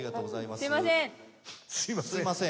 「すみません」。